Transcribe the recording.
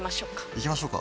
行きましょうか。